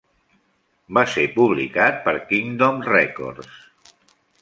Va ser publicat per Kingdom Records.